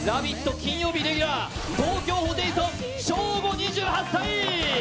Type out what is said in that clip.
金曜日レギュラー、東京ホテイソン、ショーゴ２８歳。